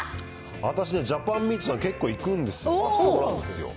私ね、ジャパンミートさん、結構行くんですよ。